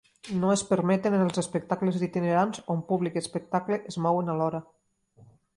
No es permeten els espectacles itinerants on públic i espectacle es mouen alhora.